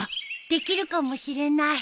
できるかもしれない！